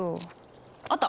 あった！